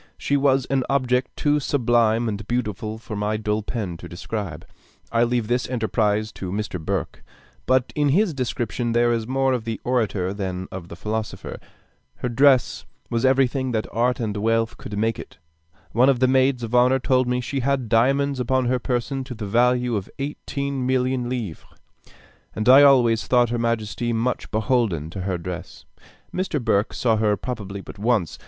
She was an object too sublime and beautiful for my dull pen to describe. I leave this enterprise to Mr. Burke. But in his description, there is more of the orator than of the philosopher. Her dress was everything that art and wealth could make it. One of the maids of honor told me she had diamonds upon her person to the value of eighteen millions of livres; and I always thought her majesty much beholden to her dress. Mr. Burke saw her probably but once.